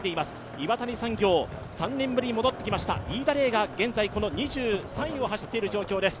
岩谷産業、３年ぶりに戻ってきました飯田怜が現在２３位を走っている状況です。